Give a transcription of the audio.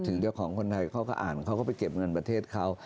เจ้าของคนไทยเขาก็อ่านเขาก็ไปเก็บเงินประเทศเขา